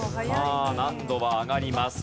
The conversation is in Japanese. さあ難度は上がります。